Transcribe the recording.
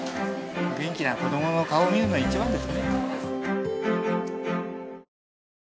元気な子どもの顔を見るのが一番ですね。